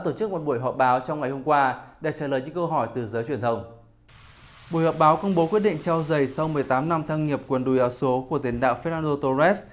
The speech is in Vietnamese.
trao giày sau một mươi tám năm thăng nghiệp quần đùi áo số của tiến đạo fernando torres